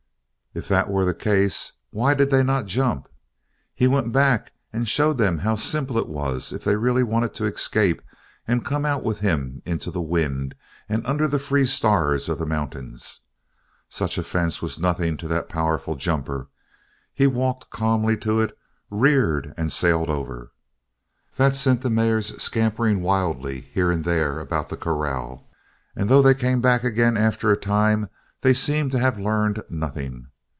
If that were the case, why did they not jump? He went back and showed them how simple it was if they really wanted to escape and come out with him into the wind and under the free stars of the mountains. Such a fence was nothing to that powerful jumper. He walked calmly to it, reared, and sailed over. That sent the mares scampering wildly, here and there about the corral, and though they came back again after a time, they seemed to have learned nothing.